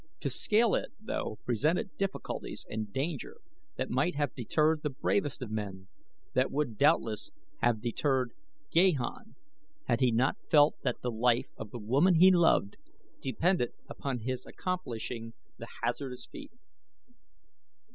To scale it, though, presented difficulties and danger that might have deterred the bravest of men that would, doubtless, have deterred Gahan, had he not felt that the life of the woman he loved depended upon his accomplishing the hazardous feat.